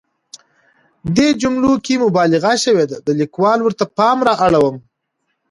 دې جملو کې مبالغه شوې ده، د ليکوال ورته پام رااړوم.